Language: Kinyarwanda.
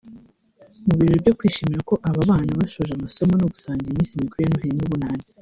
Mu birori byo kwishimira ko aba bana bashoje amasomo no gusangira iminsi mikuru ya Noheri n’Ubunani